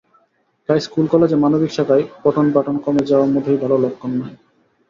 তাই স্কুল-কলেজে মানবিক শাখায় পঠনপাঠন কমে যাওয়া মোটেই ভালো লক্ষণ নয়।